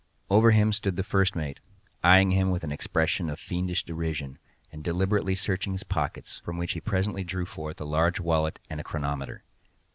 Over him stood the first mate, eyeing him with an expression of fiendish derision, and deliberately searching his pockets, from which he presently drew forth a large wallet and a chronometer.